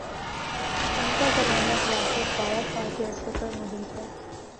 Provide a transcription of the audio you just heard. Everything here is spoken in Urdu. ان کا زمانہ خلافت بارہ سال کے عرصہ پر محیط ہے